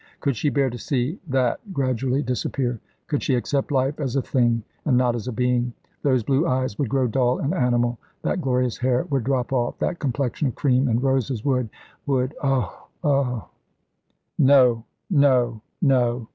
Could she bear to see that gradually disappear? Could she accept life as a Thing and not as a Being? Those blue eyes would grow dull and animal; that glorious hair would drop off; that complexion of cream and roses would would Ugh! ugh! "No! no! no!"